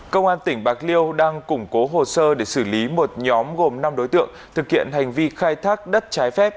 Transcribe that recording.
công an tỉnh bạc liêu đang củng cố hồ sơ để xử lý một nhóm gồm năm đối tượng thực hiện hành vi khai thác đất trái phép